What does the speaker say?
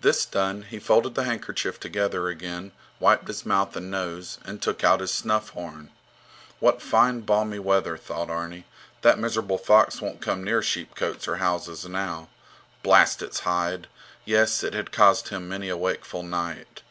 This done, he folded the handkerchief together again, wiped his mouth and nose, and took out his snuff horn. What fine balmy weather, thought Arni. That miserable fox won't come near sheepcotes or houses now. Blast its hide! Yes, it had caused him many a wakeful night.